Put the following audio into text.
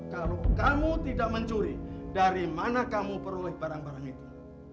kalau kamu tidak mencuri dari mana kamu peroleh barang barang itu